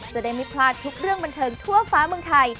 จะได้ไม่พลาดทุกเรื่องบันเทิงทั่วฟ้าเมืองไทย